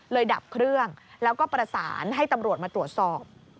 ดับเครื่องแล้วก็ประสานให้ตำรวจมาตรวจสอบ